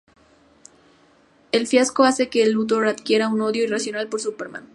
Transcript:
El fiasco hace que Luthor adquiera un odio irracional por Superman.